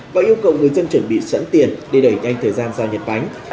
và yêu cầu người dân chuẩn bị sẵn tiền để đẩy nhanh thời gian ra nhật bánh